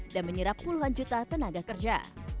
dan menyerap puluhan juta tenaga kerja